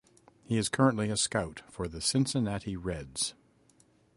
He is currently a scout for the Cincinnati Reds.